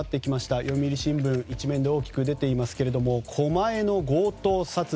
読売新聞、１面で大きく出ていますが狛江の強盗殺人。